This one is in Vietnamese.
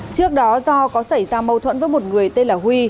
trước đó do có xảy ra mâu thuẫn với một người tên là huy